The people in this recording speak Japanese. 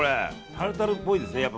タルタルっぽいですね。